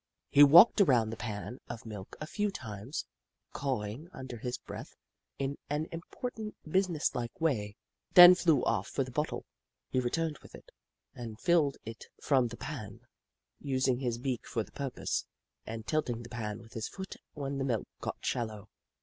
He walked around the pan of milk a few times, cawing under his breath in an im portant, businesslike way, then flew off for the bottle. He returned with it, and filled it from 134 The Book of Clever Beasts the pan, using his beak for the purpose, and tiking the pan with his foot when the milk got shallow.